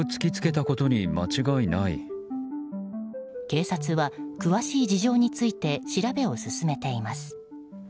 警察は、詳しい事情について調べを進めています。